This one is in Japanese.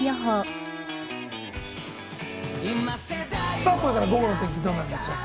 さあこれから午後の天気、どうなるでしょうか？